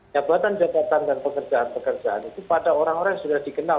jabatan jabatan dan pekerjaan pekerjaan itu pada orang orang yang sudah dikenal